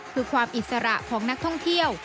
คือความอิสระของนักท่องเที่ยว